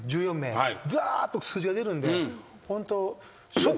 ざーっと数字が出るんでホント。